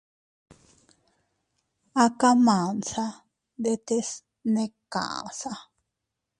A kamansa ndetes ne kaʼsa.